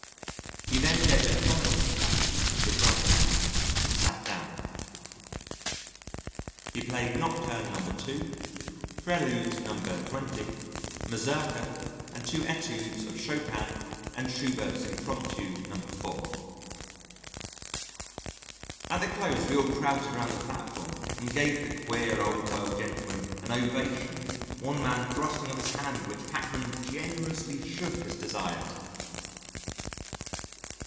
He then gave it a final pat with his right hand and sat down. He played Nocturne No. 2, Prelude No. 20, a Mazurka and two Etudes of Chopin and Schubert's Impromptu No. 4. At the close we all crowded around the platform and gave the queer, old world gentleman an ovation, one man thrusting up his hand which Pachmann generously shook as desired.